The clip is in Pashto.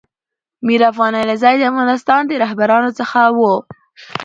میر افغان علیزی دافغانستان د رهبرانو څخه و